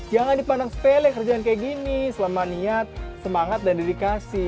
jangan dipandang sepele kerjaan kayak gini selama niat semangat dan dedikasi